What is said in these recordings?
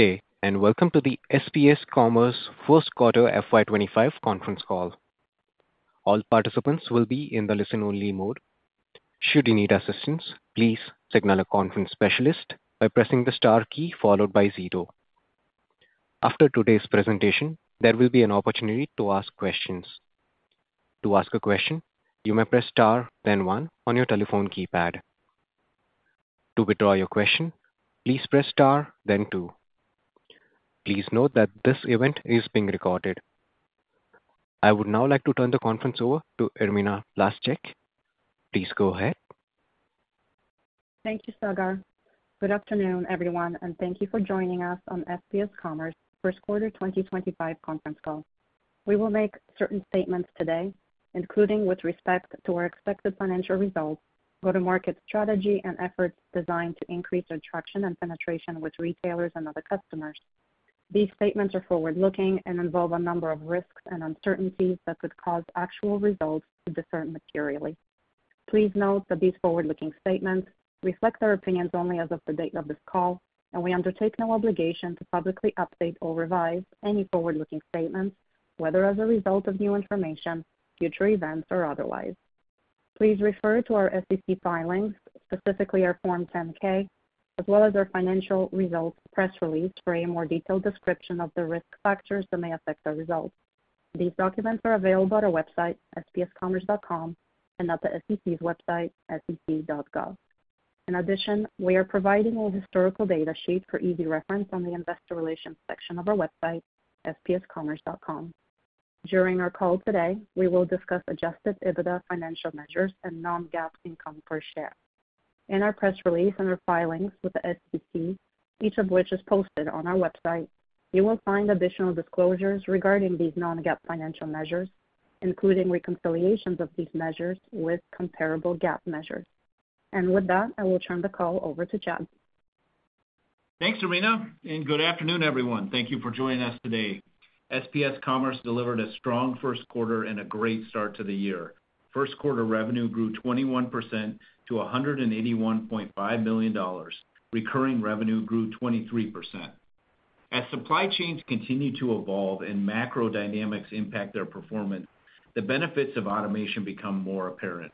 Good day, and welcome to the SPS Commerce First Quarter FY25 Conference Call. All participants will be in the listen-only mode. Should you need assistance, please signal a conference specialist by pressing the star key followed by zero. After today's presentation, there will be an opportunity to ask questions. To ask a question, you may press star, then one, on your telephone keypad. To withdraw your question, please press star, then two. Please note that this event is being recorded. I would now like to turn the conference over to Irmina Blaszczyk. Please go ahead. Thank you, Sagar. Good afternoon, everyone, and thank you for joining us on SPS Commerce First Quarter 2025 Conference Call. We will make certain statements today, including with respect to our expected financial results, go-to-market strategy, and efforts designed to increase attraction and penetration with retailers and other customers. These statements are forward-looking and involve a number of risks and uncertainties that could cause actual results to differ materially. Please note that these forward-looking statements reflect our opinions only as of the date of this call, and we undertake no obligation to publicly update or revise any forward-looking statements, whether as a result of new information, future events, or otherwise. Please refer to our SEC filings, specifically our Form 10-K, as well as our financial results press release for a more detailed description of the risk factors that may affect our results. These documents are available at our website, spscommerce.com, and at the SEC's website, sec.gov. In addition, we are providing a historical data sheet for easy reference on the investor relations section of our website, spscommerce.com. During our call today, we will discuss adjusted EBITDA financial measures and non-GAAP income per share. In our press release and our filings with the SEC, each of which is posted on our website, you will find additional disclosures regarding these non-GAAP financial measures, including reconciliations of these measures with comparable GAAP measures. With that, I will turn the call over to Chad. Thanks, Irmina, and good afternoon, everyone. Thank you for joining us today. SPS Commerce delivered a strong first quarter and a great start to the year. First quarter revenue grew 21% to $181.5 million. Recurring revenue grew 23%. As supply chains continue to evolve and macro dynamics impact their performance, the benefits of automation become more apparent.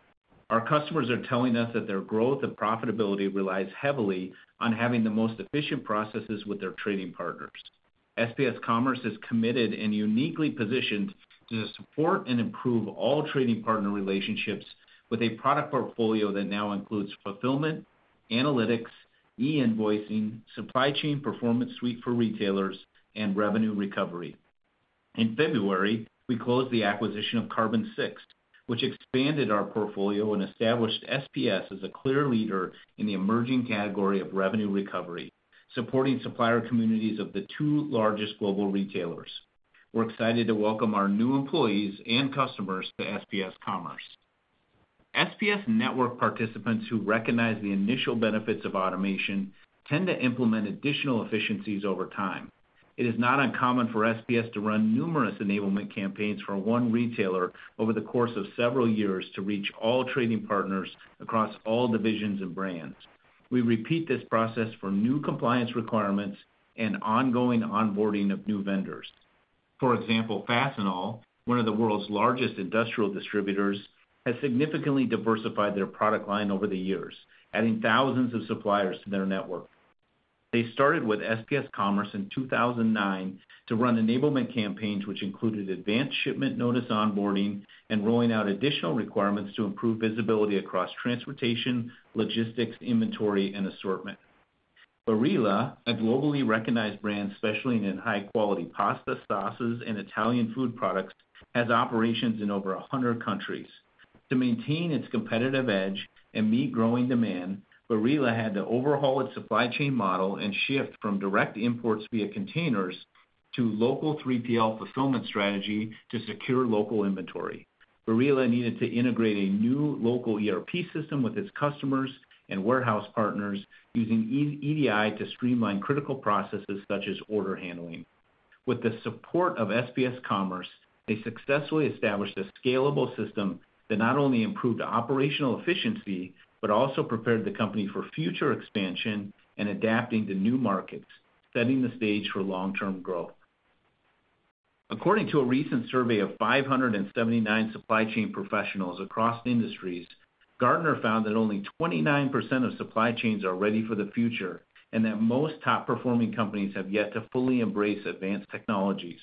Our customers are telling us that their growth and profitability relies heavily on having the most efficient processes with their trading partners. SPS Commerce is committed and uniquely positioned to support and improve all trading partner relationships with a product portfolio that now includes Fulfillment, Analytics, E-Invoicing, Supply Chain Performance Suite for retailers, and Revenue Recovery. In February, we closed the acquisition of Carbon6, which expanded our portfolio and established SPS as a clear leader in the emerging category of Revenue Recovery, supporting supplier communities of the two largest global retailers. We're excited to welcome our new employees and customers to SPS Commerce. SPS network participants who recognize the initial benefits of automation tend to implement additional efficiencies over time. It is not uncommon for SPS to run numerous enablement campaigns for one retailer over the course of several years to reach all trading partners across all divisions and brands. We repeat this process for new compliance requirements and ongoing onboarding of new vendors. For example, Fastenal, one of the world's largest industrial distributors, has significantly diversified their product line over the years, adding thousands of suppliers to their network. They started with SPS Commerce in 2009 to run enablement campaigns which included Advanced Shipment Notice onboarding and rolling out additional requirements to improve visibility across transportation, logistics, inventory, and assortment. Barilla, a globally recognized brand specializing in high-quality pasta, sauces, and Italian food products, has operations in over 100 countries. To maintain its competitive edge and meet growing demand, Barilla had to overhaul its supply chain model and shift from direct imports via containers to local 3PL fulfillment strategy to secure local inventory. Barilla needed to integrate a new local ERP system with its customers and warehouse partners using EDI to streamline critical processes such as order handling. With the support of SPS Commerce, they successfully established a scalable system that not only improved operational efficiency but also prepared the company for future expansion and adapting to new markets, setting the stage for long-term growth. According to a recent survey of 579 supply chain professionals across industries, Gartner found that only 29% of supply chains are ready for the future and that most top-performing companies have yet to fully embrace advanced technologies.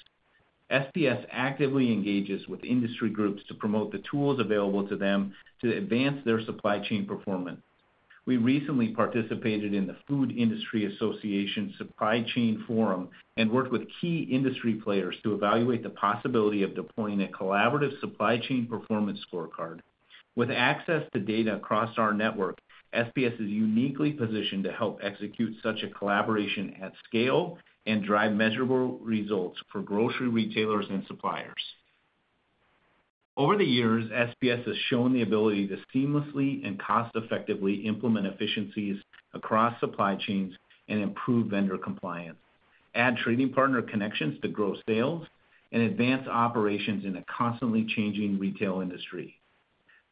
SPS actively engages with industry groups to promote the tools available to them to advance their supply chain performance. We recently participated in the Food Industry Association Supply Chain Forum and worked with key industry players to evaluate the possibility of deploying a collaborative supply chain performance scorecard. With access to data across our network, SPS is uniquely positioned to help execute such a collaboration at scale and drive measurable results for grocery retailers and suppliers. Over the years, SPS has shown the ability to seamlessly and cost-effectively implement efficiencies across supply chains and improve vendor compliance, add trading partner connections to grow sales, and advance operations in a constantly changing retail industry.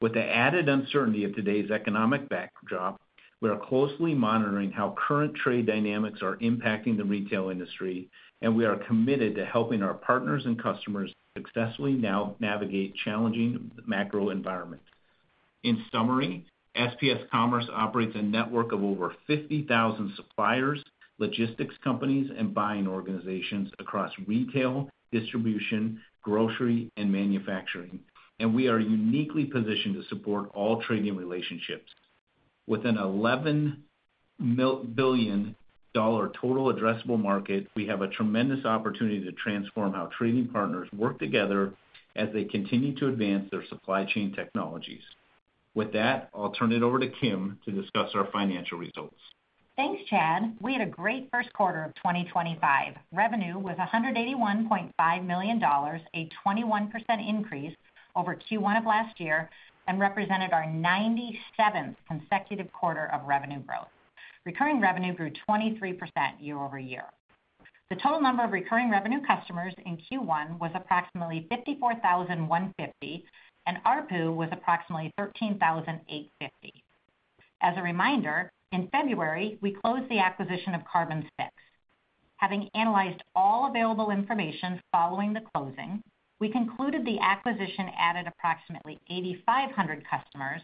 With the added uncertainty of today's economic backdrop, we are closely monitoring how current trade dynamics are impacting the retail industry, and we are committed to helping our partners and customers successfully navigate challenging macro environments. In summary, SPS Commerce operates a network of over 50,000 suppliers, logistics companies, and buying organizations across retail, distribution, grocery, and manufacturing, and we are uniquely positioned to support all trading relationships. With an $11 billion total addressable market, we have a tremendous opportunity to transform how trading partners work together as they continue to advance their supply chain technologies. With that, I'll turn it over to Kim to discuss our financial results. Thanks, Chad. We had a great first quarter of 2025. Revenue was $181.5 million, a 21% increase over Q1 of last year, and represented our 97th consecutive quarter of revenue growth. Recurring revenue grew 23% year-over-year. The total number of recurring revenue customers in Q1 was approximately 54,150, and ARPU was approximately 13,850. As a reminder, in February, we closed the acquisition of Carbon6. Having analyzed all available information following the closing, we concluded the acquisition added approximately 8,500 customers,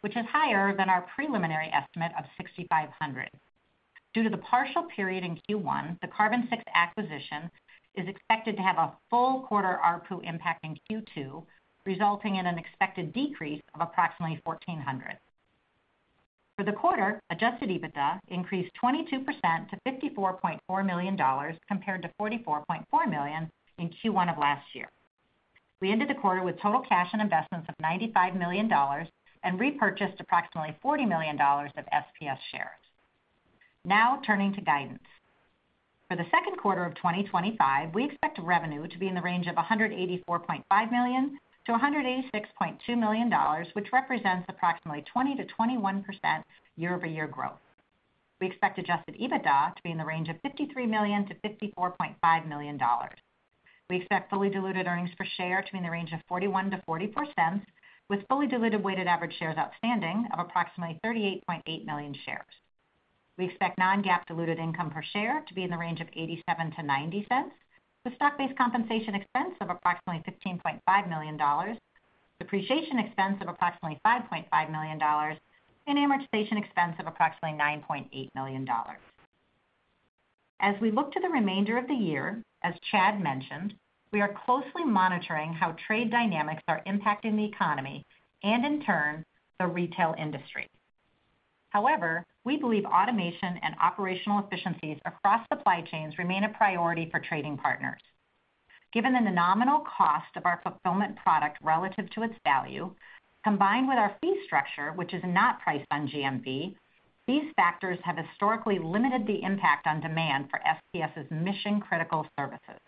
which is higher than our preliminary estimate of 6,500. Due to the partial period in Q1, the Carbon6 acquisition is expected to have a full quarter ARPU impact in Q2, resulting in an expected decrease of approximately 1,400. For the quarter, adjusted EBITDA increased 22% to $54.4 million, compared to $44.4 million in Q1 of last year. We ended the quarter with total cash and investments of $95 million and repurchased approximately $40 million of SPS shares. Now, turning to guidance. For the second quarter of 2025, we expect revenue to be in the range of $184.5 million-$186.2 million, which represents approximately 20%-21% year-over-year growth. We expect adjusted EBITDA to be in the range of $53 million-$54.5 million. We expect fully diluted earnings per share to be in the range of $0.41-$0.44, with fully diluted weighted average shares outstanding of approximately 38.8 million shares. We expect non-GAAP diluted income per share to be in the range of $0.87-$0.90, with stock-based compensation expense of approximately $15.5 million, depreciation expense of approximately $5.5 million, and amortization expense of approximately $9.8 million. As we look to the remainder of the year, as Chad mentioned, we are closely monitoring how trade dynamics are impacting the economy and, in turn, the retail industry. However, we believe automation and operational efficiencies across supply chains remain a priority for trading partners. Given the nominal cost of our Fulfillment product relative to its value, combined with our fee structure, which is not priced on GMV, these factors have historically limited the impact on demand for SPS's mission-critical services.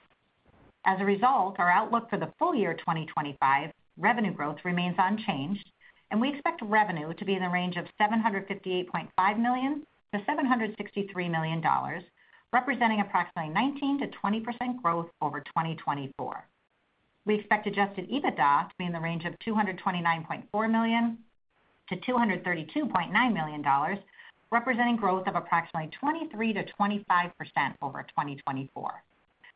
As a result, our outlook for the full year 2025 revenue growth remains unchanged, and we expect revenue to be in the range of $758.5 million-$763 million, representing approximately 19%-20% growth over 2024. We expect adjusted EBITDA to be in the range of $229.4 million-$232.9 million, representing growth of approximately 23%-25% over 2024.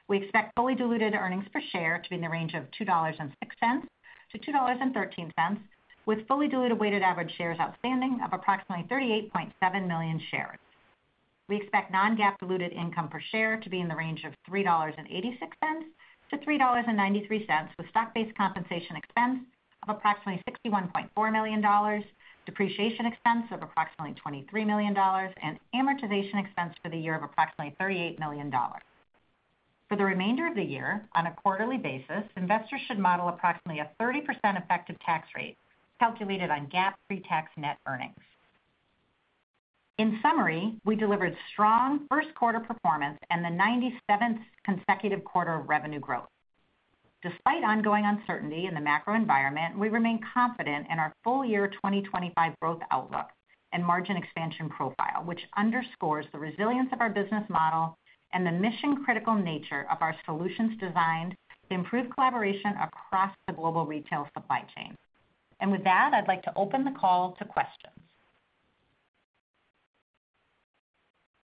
We expect fully diluted earnings per share to be in the range of $2.06-$2.13, with fully diluted weighted average shares outstanding of approximately 38.7 million shares. We expect non-GAAP diluted income per share to be in the range of $3.86-$3.93, with stock-based compensation expense of approximately $61.4 million, depreciation expense of approximately $23 million, and amortization expense for the year of approximately $38 million. For the remainder of the year, on a quarterly basis, investors should model approximately a 30% effective tax rate calculated on GAAP pre-tax net earnings. In summary, we delivered strong first quarter performance and the 97th consecutive quarter of revenue growth. Despite ongoing uncertainty in the macro environment, we remain confident in our full year 2025 growth outlook and margin expansion profile, which underscores the resilience of our business model and the mission-critical nature of our solutions designed to improve collaboration across the global retail supply chain. With that, I'd like to open the call to questions.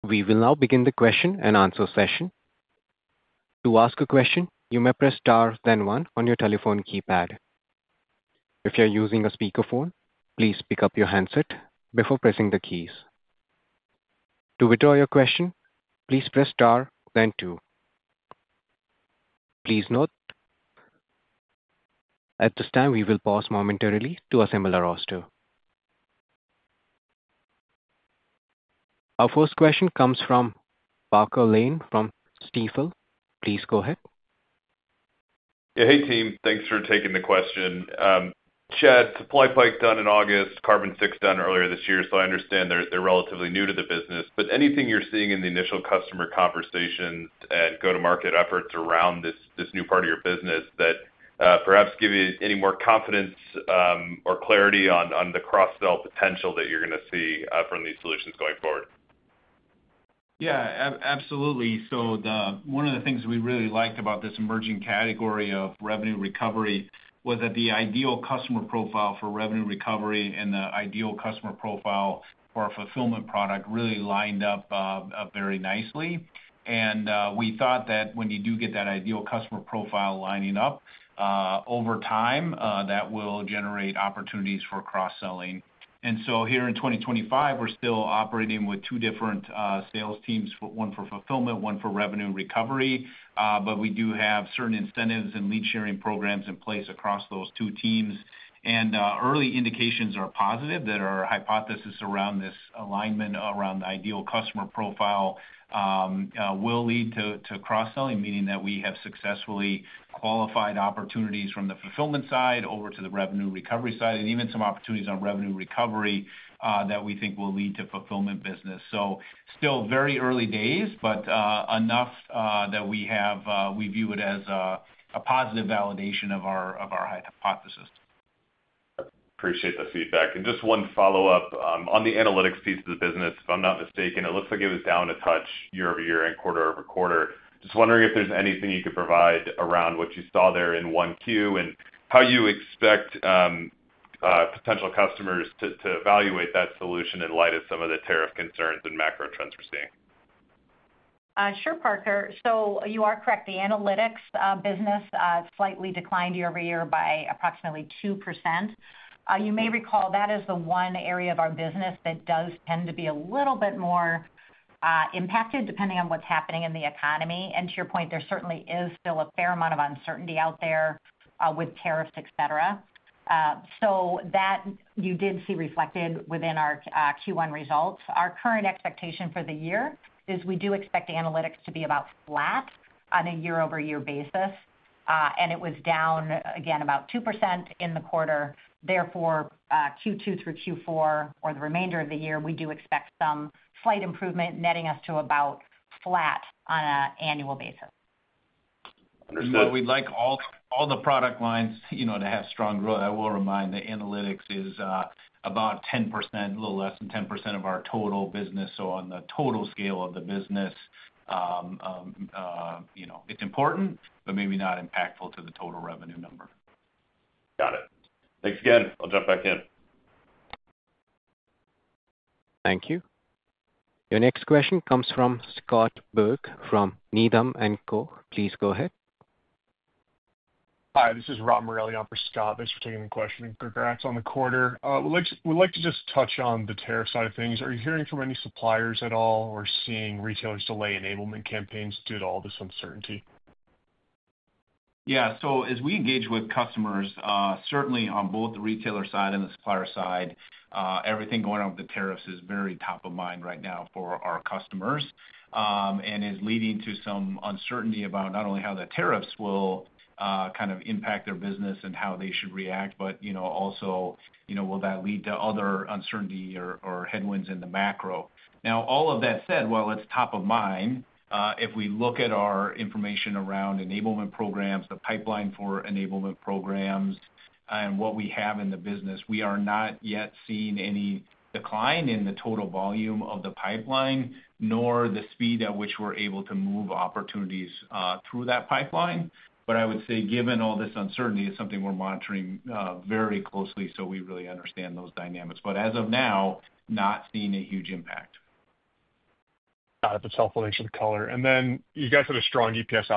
We will now begin the question and answer session. To ask a question, you may press star then one on your telephone keypad. If you're using a speakerphone, please pick up your handset before pressing the keys. To withdraw your question, please press star then two. Please note, at this time, we will pause momentarily to assemble our roster. Our first question comes from Parker Lane from Stifel. Please go ahead. Hey, team. Thanks for taking the question. Chad, SupplyPike done in August, Carbon6 done earlier this year, so I understand they're relatively new to the business. Anything you're seeing in the initial customer conversations and go-to-market efforts around this new part of your business that perhaps give you any more confidence or clarity on the cross-sell potential that you're going to see from these solutions going forward? Yeah, absolutely. One of the things we really liked about this emerging category of revenue recovery was that the ideal customer profile for revenue recovery and the ideal customer profile for a fulfillment product really lined up very nicely. We thought that when you do get that ideal customer profile lining up over time, that will generate opportunities for cross-selling. Here in 2025, we're still operating with two different sales teams, one for fulfillment, one for revenue recovery, but we do have certain incentives and lead sharing programs in place across those two teams. Early indications are positive that our hypothesis around this alignment around the ideal customer profile will lead to cross-selling, meaning that we have successfully qualified opportunities from the fulfillment side over to the revenue recovery side and even some opportunities on revenue recovery that we think will lead to fulfillment business. Still very early days, but enough that we view it as a positive validation of our hypothesis. Appreciate the feedback. Just one follow-up on the analytics piece of the business. If I'm not mistaken, it looks like it was down a touch year-over-year and quarter-over-quarter. Just wondering if there's anything you could provide around what you saw there in Q1 and how you expect potential customers to evaluate that solution in light of some of the tariff concerns and macro trends we're seeing. Sure, Parker. You are correct. The analytics business slightly declined year-over-year by approximately 2%. You may recall that is the one area of our business that does tend to be a little bit more impacted depending on what's happening in the economy. To your point, there certainly is still a fair amount of uncertainty out there with tariffs, etc. That you did see reflected within our Q1 results. Our current expectation for the year is we do expect analytics to be about flat on a year-over-year basis. It was down, again, about 2% in the quarter. Therefore, Q2 through Q4 or the remainder of the year, we do expect some slight improvement, netting us to about flat on an annual basis. Understood. We'd like all the product lines to have strong growth. I will remind the analytics is about 10%, a little less than 10% of our total business. On the total scale of the business, it's important, but maybe not impactful to the total revenue number. Got it. Thanks again. I'll jump back in. Thank you. Your next question comes from Scott Berg from Needham & Company. Please go ahead. Hi, this is Rob Morelli on for Scott. Thanks for taking the question. Congrats on the quarter. We'd like to just touch on the tariff side of things. Are you hearing from any suppliers at all or seeing retailers delay enablement campaigns due to all this uncertainty? Yeah. As we engage with customers, certainly on both the retailer side and the supplier side, everything going on with the tariffs is very top of mind right now for our customers and is leading to some uncertainty about not only how the tariffs will kind of impact their business and how they should react, but also will that lead to other uncertainty or headwinds in the macro. Now, all of that said, while it's top of mind, if we look at our information around enablement programs, the pipeline for enablement programs, and what we have in the business, we are not yet seeing any decline in the total volume of the pipeline, nor the speed at which we're able to move opportunities through that pipeline. I would say, given all this uncertainty, it's something we're monitoring very closely, so we really understand those dynamics. As of now, not seeing a huge impact. Got it. That's helpful to make sure the color. And then you guys had a strong EPS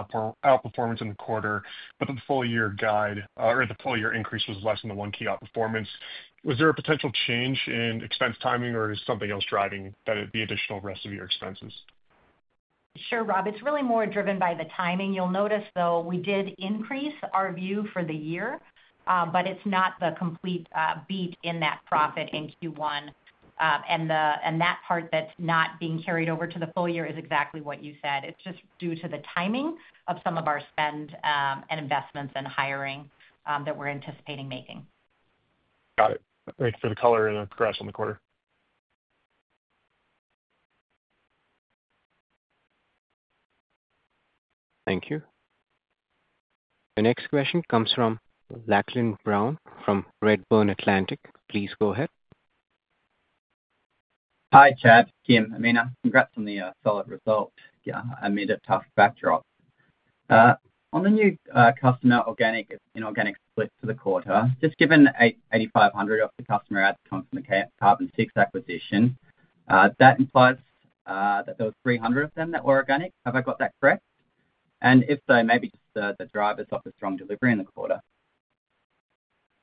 outperformance in the quarter, but the full-year guide or the full-year increase was less than the one-Q outperformance. Was there a potential change in expense timing, or is something else driving the additional rest of your expenses? Sure, Rob. It's really more driven by the timing. You'll notice, though, we did increase our view for the year, but it's not the complete beat in that profit in Q1. That part that's not being carried over to the full year is exactly what you said. It's just due to the timing of some of our spend and investments and hiring that we're anticipating making. Got it. Thanks for the color and the progression in the quarter. Thank you. The next question comes from Lachlan Brown from Redburn Atlantic. Please go ahead. Hi, Chad. Kim, Irmina. Congrats on the solid result. I made a tough backdrop. On the new customer organic and inorganic split for the quarter, just given 8,500 of the customer adds come from the Carbon6 acquisition, that implies that there were 300 of them that were organic. Have I got that correct? If so, maybe just the drivers of the strong delivery in the quarter.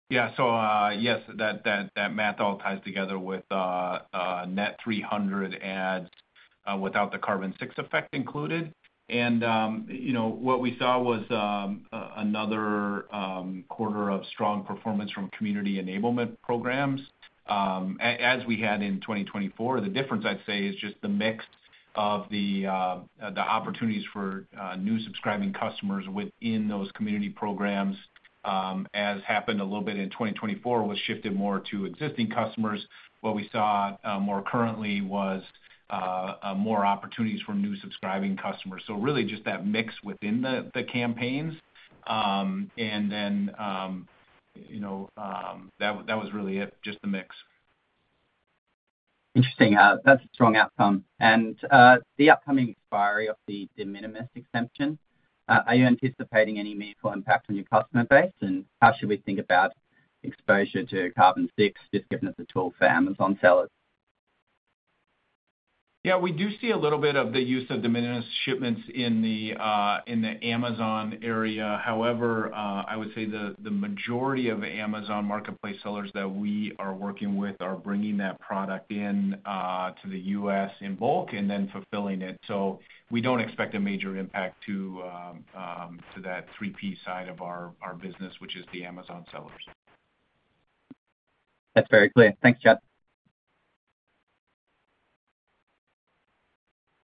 Yeah. Yes, that math all ties together with net 300 ads without the Carbon6 effect included. What we saw was another quarter of strong performance from community enablement programs, as we had in 2024. The difference, I'd say, is just the mix of the opportunities for new subscribing customers within those community programs, as happened a little bit in 2024, was shifted more to existing customers. What we saw more currently was more opportunities for new subscribing customers. Really just that mix within the campaigns. That was really it, just the mix. Interesting. That's a strong outcome. The upcoming expiry of the de minimis exemption, are you anticipating any meaningful impact on your customer base? How should we think about exposure to Carbon6, just given it's a tool for Amazon sellers? Yeah. We do see a little bit of the use of de minimis shipments in the Amazon area. However, I would say the majority of Amazon Marketplace sellers that we are working with are bringing that product into the US in bulk and then fulfilling it. We do not expect a major impact to that 3P side of our business, which is the Amazon sellers. That's very clear. Thanks, Chad.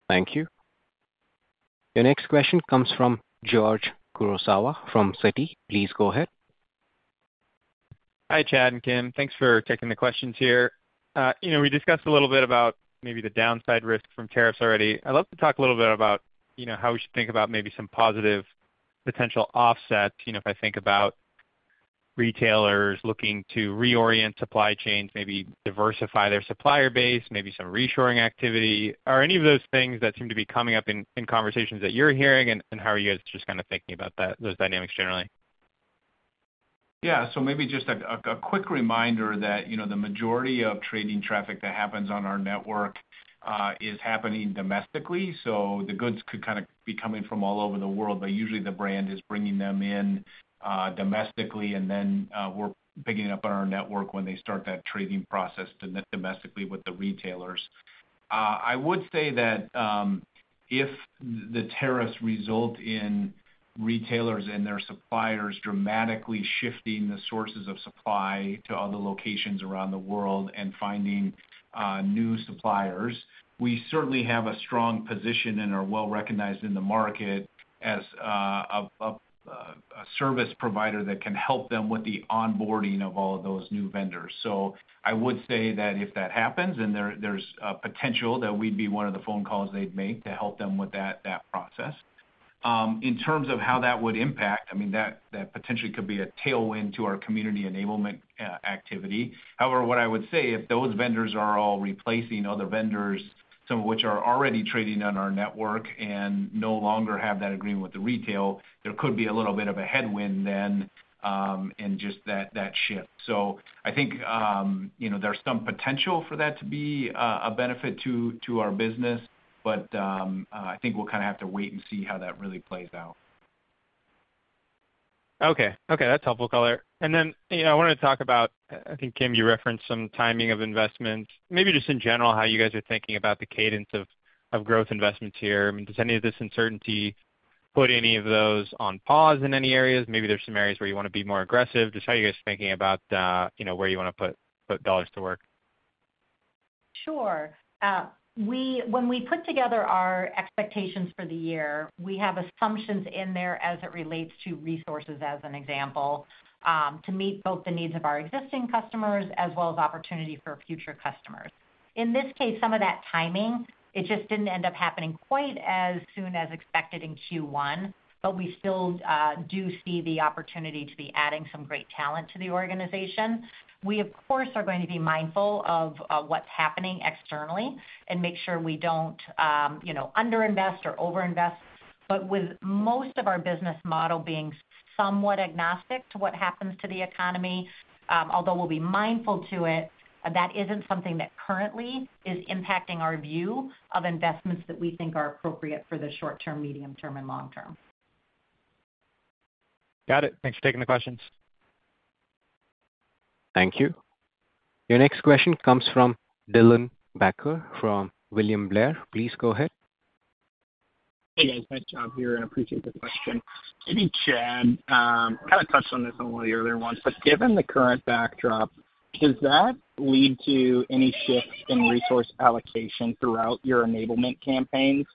Thank you. Your next question comes from George Kurosawa from Citi. Please go ahead. Hi, Chad and Kim. Thanks for taking the questions here. We discussed a little bit about maybe the downside risk from tariffs already. I'd love to talk a little bit about how we should think about maybe some positive potential offsets. If I think about retailers looking to reorient supply chains, maybe diversify their supplier base, maybe some reshoring activity. Are any of those things that seem to be coming up in conversations that you're hearing, and how are you guys just kind of thinking about those dynamics generally? Yeah. Maybe just a quick reminder that the majority of trading traffic that happens on our network is happening domestically. The goods could kind of be coming from all over the world, but usually the brand is bringing them in domestically, and then we're picking it up on our network when they start that trading process domestically with the retailers. I would say that if the tariffs result in retailers and their suppliers dramatically shifting the sources of supply to other locations around the world and finding new suppliers, we certainly have a strong position and are well recognized in the market as a service provider that can help them with the onboarding of all of those new vendors. I would say that if that happens, and there's potential, that we'd be one of the phone calls they'd make to help them with that process. In terms of how that would impact, I mean, that potentially could be a tailwind to our community enablement activity. However, what I would say, if those vendors are all replacing other vendors, some of which are already trading on our network and no longer have that agreement with the retail, there could be a little bit of a headwind then and just that shift. I think there's some potential for that to be a benefit to our business, but I think we'll kind of have to wait and see how that really plays out. Okay. Okay. That's helpful color. I wanted to talk about, I think, Kim, you referenced some timing of investment. Maybe just in general, how you guys are thinking about the cadence of growth investments here. I mean, does any of this uncertainty put any of those on pause in any areas? Maybe there's some areas where you want to be more aggressive. Just how are you guys thinking about where you want to put dollars to work? Sure. When we put together our expectations for the year, we have assumptions in there as it relates to resources, as an example, to meet both the needs of our existing customers as well as opportunity for future customers. In this case, some of that timing, it just did not end up happening quite as soon as expected in Q1, but we still do see the opportunity to be adding some great talent to the organization. We, of course, are going to be mindful of what is happening externally and make sure we do not underinvest or overinvest, but with most of our business model being somewhat agnostic to what happens to the economy, although we will be mindful to it, that is not something that currently is impacting our view of investments that we think are appropriate for the short-term, medium-term, and long-term. Got it. Thanks for taking the questions. Thank you. Your next question comes from Dylan Becker from William Blair. Please go ahead. Hey, guys. Nice job here. I appreciate the question. I think Chad kind of touched on this in one of the earlier ones, but given the current backdrop, does that lead to any shift in resource allocation throughout your enablement campaigns?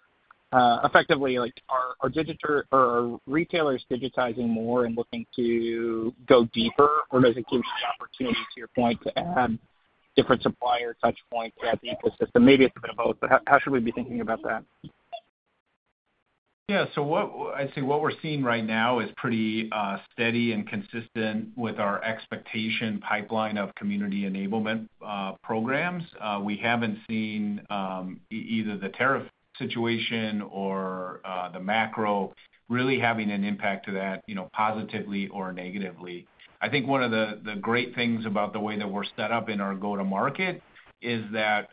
Effectively, are retailers digitizing more and looking to go deeper, or does it give you the opportunity, to your point, to add different supplier touchpoints throughout the ecosystem? Maybe it's a bit of both. How should we be thinking about that? Yeah. I'd say what we're seeing right now is pretty steady and consistent with our expectation pipeline of community enablement programs. We haven't seen either the tariff situation or the macro really having an impact to that positively or negatively. I think one of the great things about the way that we're set up in our go-to-market is that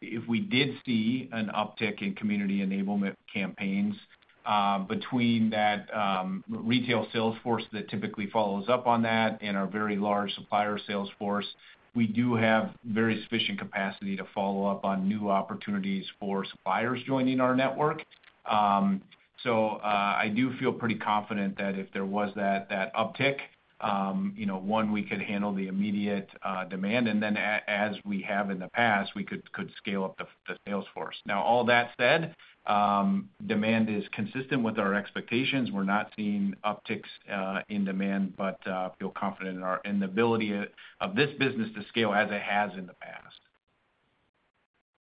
if we did see an uptick in community enablement campaigns between that retail salesforce that typically follows up on that and our very large supplier salesforce, we do have very sufficient capacity to follow up on new opportunities for suppliers joining our network. I do feel pretty confident that if there was that uptick, one, we could handle the immediate demand, and then as we have in the past, we could scale up the salesforce. All that said, demand is consistent with our expectations. We're not seeing upticks in demand, but I feel confident in the ability of this business to scale as it has in the past.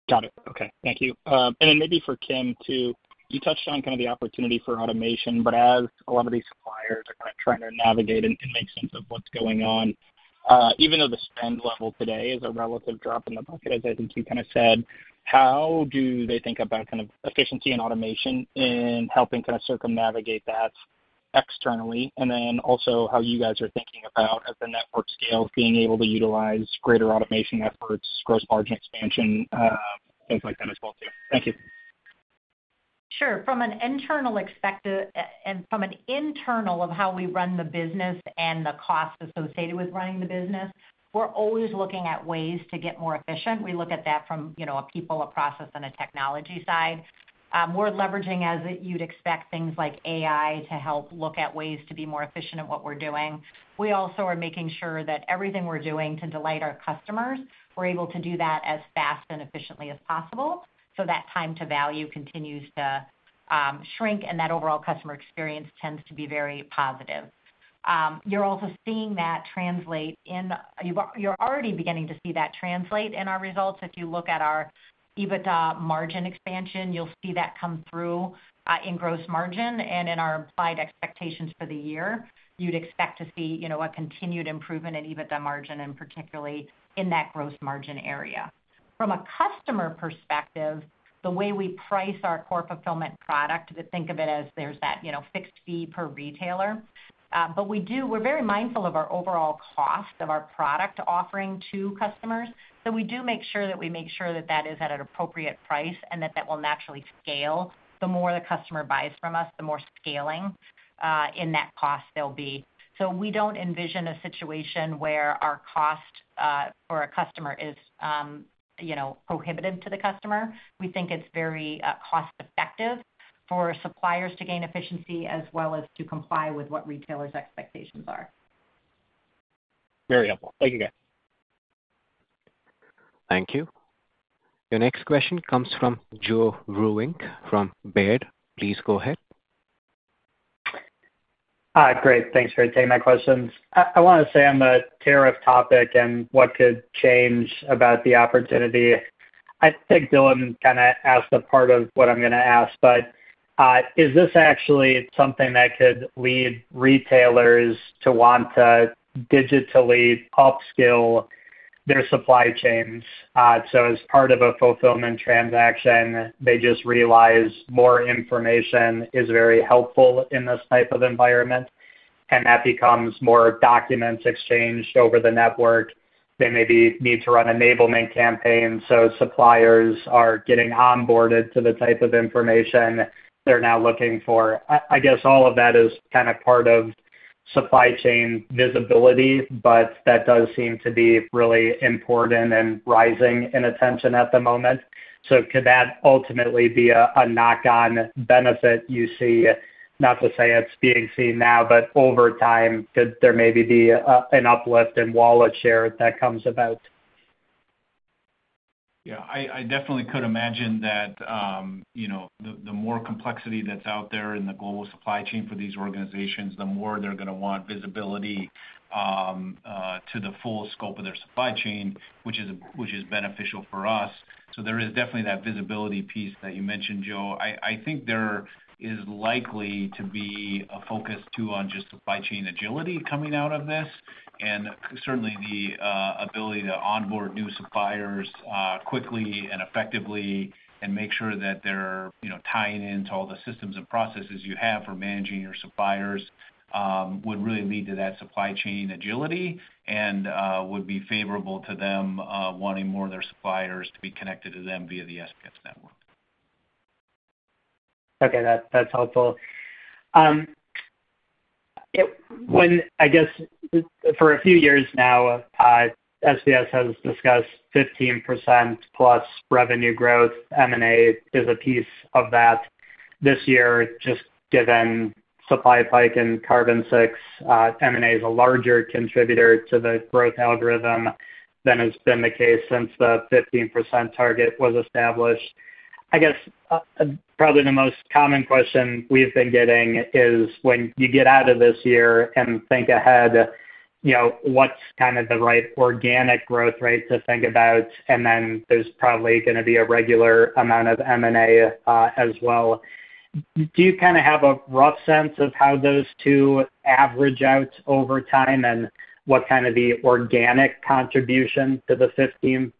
Got it. Okay. Thank you. Maybe for Kim, too, you touched on kind of the opportunity for automation, but as a lot of these suppliers are kind of trying to navigate and make sense of what's going on, even though the spend level today is a relative drop in the bucket, as I think you kind of said, how do they think about kind of efficiency and automation in helping kind of circumnavigate that externally? Also, how you guys are thinking about, as the network scales, being able to utilize greater automation efforts, gross margin expansion, things like that as well, too. Thank you. Sure. From an internal of how we run the business and the costs associated with running the business, we're always looking at ways to get more efficient. We look at that from a people, a process, and a technology side. We're leveraging, as you'd expect, things like AI to help look at ways to be more efficient at what we're doing. We also are making sure that everything we're doing to delight our customers, we're able to do that as fast and efficiently as possible so that time to value continues to shrink, and that overall customer experience tends to be very positive. You're also seeing that translate in, you're already beginning to see that translate in our results. If you look at our EBITDA margin expansion, you'll see that come through in gross margin and in our implied expectations for the year. You'd expect to see a continued improvement in EBITDA margin, and particularly in that gross margin area. From a customer perspective, the way we price our core Fulfillment product, think of it as there's that fixed fee per retailer. We are very mindful of our overall cost of our product offering to customers. We do make sure that we make sure that that is at an appropriate price and that that will naturally scale. The more the customer buys from us, the more scaling in that cost there'll be. We do not envision a situation where our cost for a customer is prohibitive to the customer. We think it's very cost-effective for suppliers to gain efficiency as well as to comply with what retailers' expectations are. Very helpful. Thank you, guys. Thank you. Your next question comes from Joe Vruwink from Baird. Please go ahead. Hi. Great. Thanks for taking my questions. I want to stay on the tariff topic and what could change about the opportunity. I think Dylan kind of asked a part of what I'm going to ask, but is this actually something that could lead retailers to want to digitally upskill their supply chains? As part of a fulfillment transaction, they just realize more information is very helpful in this type of environment, and that becomes more documents exchanged over the network. They maybe need to run enablement campaigns. Suppliers are getting onboarded to the type of information they're now looking for. I guess all of that is kind of part of supply chain visibility, but that does seem to be really important and rising in attention at the moment. Could that ultimately be a knock-on benefit you see? Not to say it's being seen now, but over time, could there maybe be an uplift in wallet share that comes about? Yeah. I definitely could imagine that the more complexity that's out there in the global supply chain for these organizations, the more they're going to want visibility to the full scope of their supply chain, which is beneficial for us. There is definitely that visibility piece that you mentioned, Joe. I think there is likely to be a focus too on just supply chain agility coming out of this, and certainly the ability to onboard new suppliers quickly and effectively and make sure that they're tying into all the systems and processes you have for managing your suppliers would really lead to that supply chain agility and would be favorable to them wanting more of their suppliers to be connected to them via the SPS network. Okay. That's helpful. I guess for a few years now, SPS has discussed 15% plus revenue growth. M&A is a piece of that. This year, just given SupplyPike and Carbon6, M&A is a larger contributor to the growth algorithm than has been the case since the 15% target was established. I guess probably the most common question we've been getting is when you get out of this year and think ahead, what's kind of the right organic growth rate to think about? And then there's probably going to be a regular amount of M&A as well. Do you kind of have a rough sense of how those two average out over time and what kind of the organic contribution to the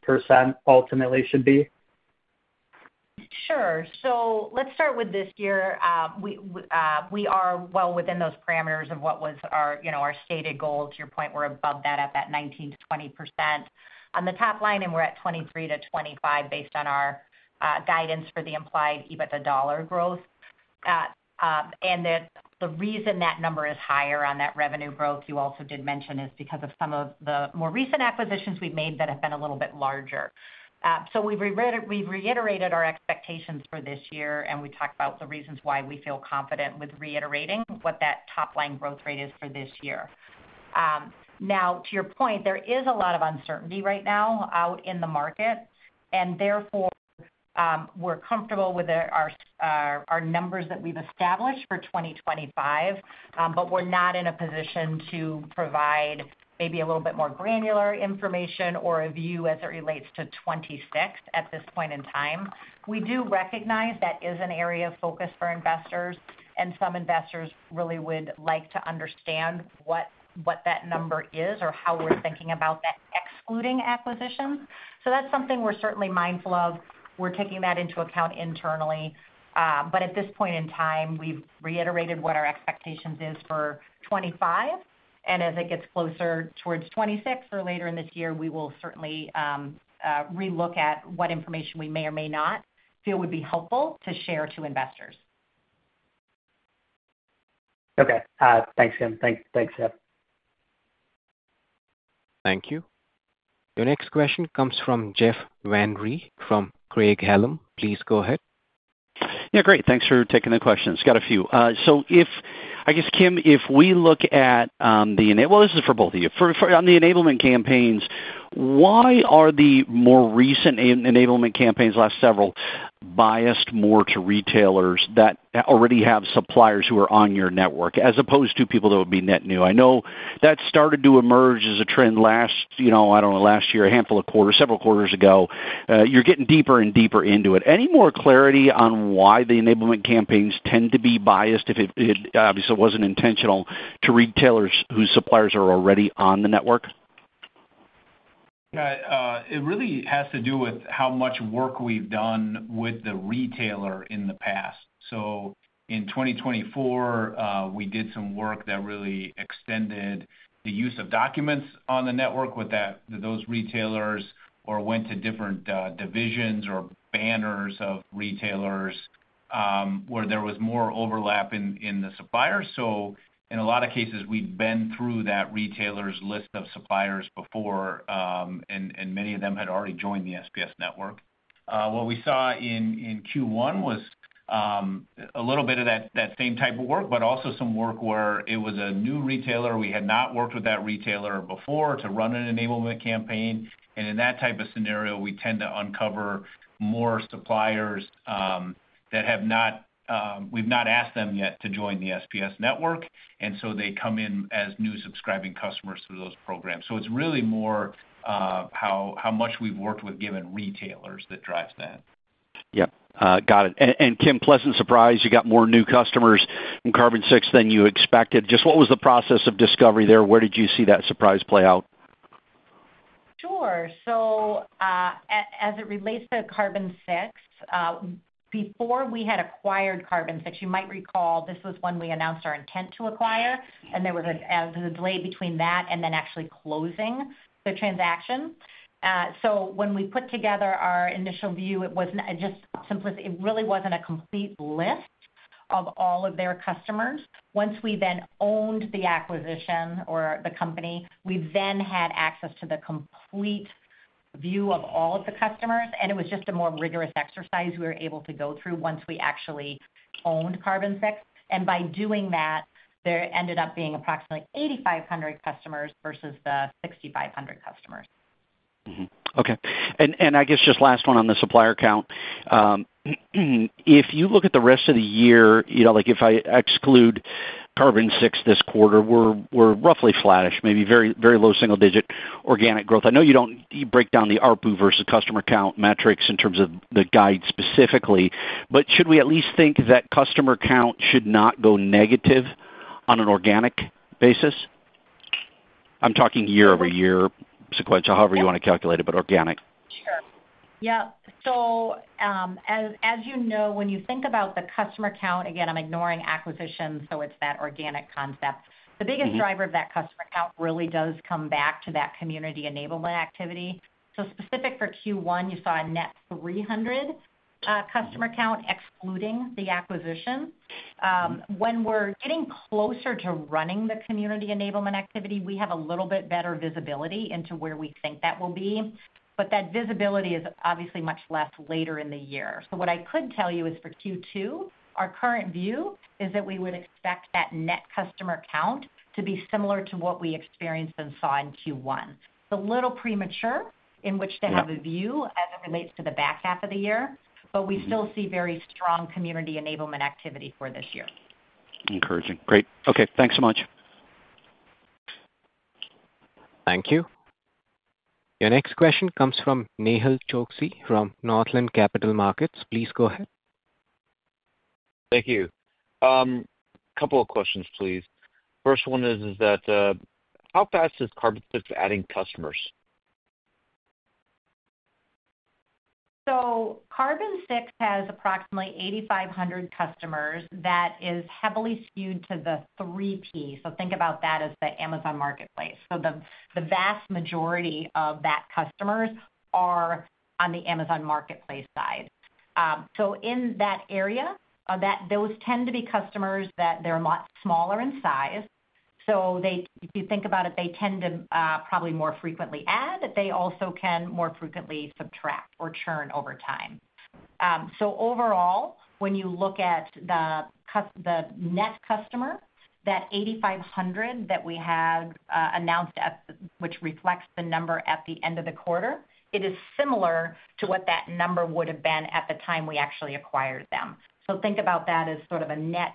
15% ultimately should be? Sure. Let's start with this year. We are well within those parameters of what was our stated goal. To your point, we're above that at that 19%-20% on the top line, and we're at 23%-25% based on our guidance for the implied EBITDA dollar growth. The reason that number is higher on that revenue growth you also did mention is because of some of the more recent acquisitions we've made that have been a little bit larger. We have reiterated our expectations for this year, and we talked about the reasons why we feel confident with reiterating what that top-line growth rate is for this year. Now, to your point, there is a lot of uncertainty right now out in the market, and therefore we're comfortable with our numbers that we've established for 2025, but we're not in a position to provide maybe a little bit more granular information or a view as it relates to 2026 at this point in time. We do recognize that is an area of focus for investors, and some investors really would like to understand what that number is or how we're thinking about that excluding acquisitions. That's something we're certainly mindful of. We're taking that into account internally. At this point in time, we've reiterated what our expectations are for 2025, and as it gets closer towards 2026 or later in this year, we will certainly relook at what information we may or may not feel would be helpful to share to investors. Okay. Thanks, Kim. Thanks, Chad. Thank you. Your next question comes from Jeff Van Rhee from Craig-Hallum. Please go ahead. Yeah. Great. Thanks for taking the questions. Got a few. I guess, Kim, if we look at the—this is for both of you—on the enablement campaigns, why are the more recent enablement campaigns, last several, biased more to retailers that already have suppliers who are on your network as opposed to people that would be net new? I know that started to emerge as a trend last—I do not know—last year, a handful of quarters, several quarters ago. You're getting deeper and deeper into it. Any more clarity on why the enablement campaigns tend to be biased if it obviously was not intentional to retailers whose suppliers are already on the network? It really has to do with how much work we've done with the retailer in the past. In 2024, we did some work that really extended the use of documents on the network with those retailers or went to different divisions or banners of retailers where there was more overlap in the suppliers. In a lot of cases, we'd been through that retailer's list of suppliers before, and many of them had already joined the SPS network. What we saw in Q1 was a little bit of that same type of work, but also some work where it was a new retailer. We had not worked with that retailer before to run an enablement campaign. In that type of scenario, we tend to uncover more suppliers that we've not asked them yet to join the SPS network, and they come in as new subscribing customers through those programs. It is really more how much we've worked with given retailers that drives that. Yep. Got it. And Kim, pleasant surprise. You got more new customers in Carbon6 than you expected. Just what was the process of discovery there? Where did you see that surprise play out? Sure. As it relates to Carbon6, before we had acquired Carbon6, you might recall this was when we announced our intent to acquire, and there was a delay between that and actually closing the transaction. When we put together our initial view, it really was not a complete list of all of their customers. Once we then owned the acquisition or the company, we then had access to the complete view of all of the customers, and it was just a more rigorous exercise we were able to go through once we actually owned Carbon6. By doing that, there ended up being approximately 8,500 customers versus the 6,500 customers. Okay. I guess just last one on the supplier count. If you look at the rest of the year, if I exclude Carbon6 this quarter, we're roughly flattish, maybe very low single-digit organic growth. I know you break down the ARPU versus customer count metrics in terms of the guide specifically, but should we at least think that customer count should not go negative on an organic basis? I'm talking year-over-year sequential, however you want to calculate it, but organic. Sure. Yep. As you know, when you think about the customer count—again, I'm ignoring acquisitions, so it's that organic concept—the biggest driver of that customer count really does come back to that community enablement activity. Specific for Q1, you saw a net 300 customer count excluding the acquisition. When we're getting closer to running the community enablement activity, we have a little bit better visibility into where we think that will be. That visibility is obviously much less later in the year. What I could tell you is for Q2, our current view is that we would expect that net customer count to be similar to what we experienced and saw in Q1. It's a little premature in which to have a view as it relates to the back half of the year, but we still see very strong community enablement activity for this year. Encouraging. Great. Okay. Thanks so much. Thank you. Your next question comes from Nehal Chokshi from Northland Capital Markets. Please go ahead. Thank you. A couple of questions, please. First one is that how fast is Carbon6 adding customers? Carbon6 has approximately 8,500 customers that is heavily skewed to the 3P. Think about that as the Amazon Marketplace. The vast majority of that customers are on the Amazon Marketplace side. In that area, those tend to be customers that they're a lot smaller in size. If you think about it, they tend to probably more frequently add, but they also can more frequently subtract or churn over time. Overall, when you look at the net customer, that 8,500 that we had announced, which reflects the number at the end of the quarter, it is similar to what that number would have been at the time we actually acquired them. Think about that as sort of a net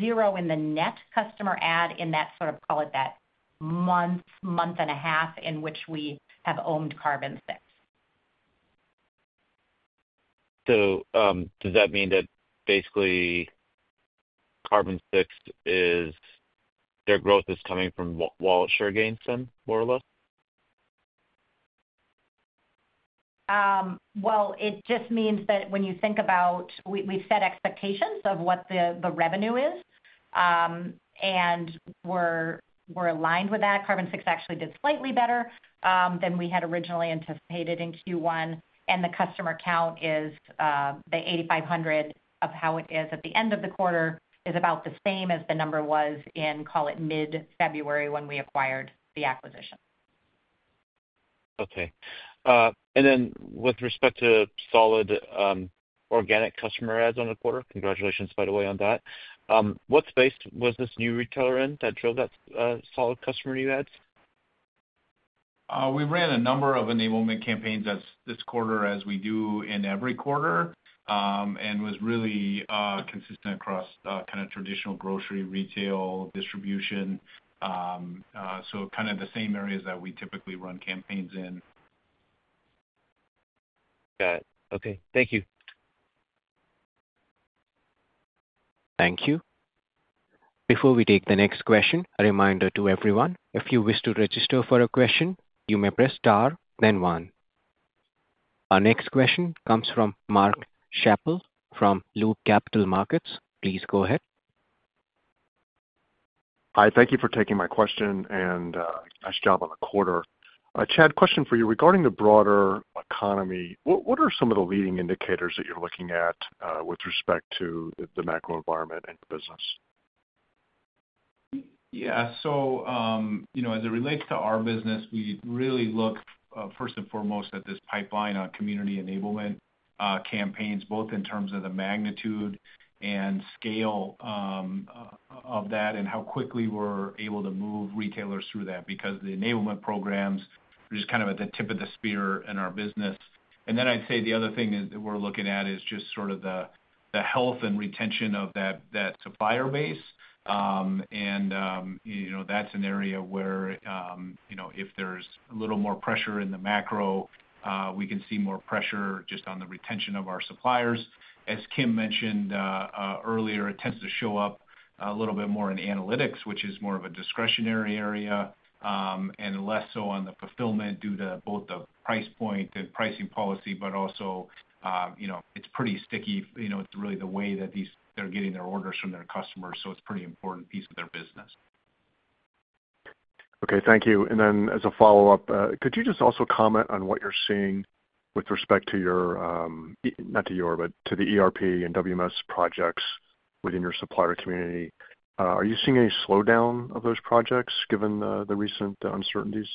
zero in the net customer add in that sort of, call it that, month, month and a half in which we have owned Carbon6. Does that mean that basically Carbon6, their growth is coming from wallet share gains then, more or less? It just means that when you think about we've set expectations of what the revenue is, and we're aligned with that. Carbon6 actually did slightly better than we had originally anticipated in Q1, and the customer count is the 8,500 of how it is at the end of the quarter is about the same as the number was in, call it, mid-February when we acquired the acquisition. Okay. With respect to solid organic customer adds on the quarter, congratulations by the way on that. What space was this new retailer in that drove that solid customer new adds? We ran a number of enablement campaigns this quarter as we do in every quarter and was really consistent across kind of traditional grocery retail distribution. Kind of the same areas that we typically run campaigns in. Got it. Okay. Thank you. Thank you. Before we take the next question, a reminder to everyone. If you wish to register for a question, you may press star, then one. Our next question comes from Mark Schappel from Loop Capital Markets. Please go ahead. Hi. Thank you for taking my question and nice job on the quarter. Chad, question for you regarding the broader economy. What are some of the leading indicators that you're looking at with respect to the macro environment and business? Yeah. As it relates to our business, we really look first and foremost at this pipeline on community enablement campaigns, both in terms of the magnitude and scale of that and how quickly we're able to move retailers through that because the enablement programs are just kind of at the tip of the spear in our business. I'd say the other thing that we're looking at is just sort of the health and retention of that supplier base. That's an area where if there's a little more pressure in the macro, we can see more pressure just on the retention of our suppliers. As Kim mentioned earlier, it tends to show up a little bit more in analytics, which is more of a discretionary area and less so on the fulfillment due to both the price point and pricing policy, but also it's pretty sticky. It's really the way that they're getting their orders from their customers. It is a pretty important piece of their business. Okay. Thank you. As a follow-up, could you just also comment on what you're seeing with respect to the ERP and WMS projects within your supplier community? Are you seeing any slowdown of those projects given the recent uncertainties?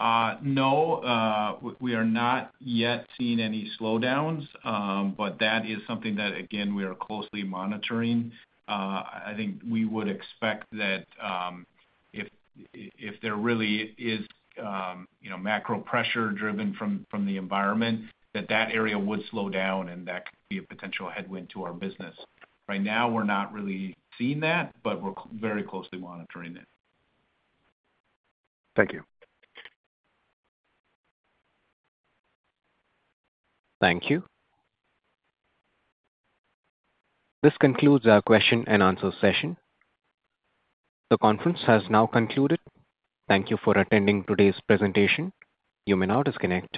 No. We are not yet seeing any slowdowns, but that is something that, again, we are closely monitoring. I think we would expect that if there really is macro pressure driven from the environment, that that area would slow down, and that could be a potential headwind to our business. Right now, we're not really seeing that, but we're very closely monitoring it. Thank you. Thank you. This concludes our question and answer session. The conference has now concluded. Thank you for attending today's presentation. You may now disconnect.